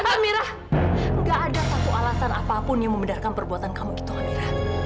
amira gak ada satu alasan apapun yang membedarkan perbuatan kamu gitu amira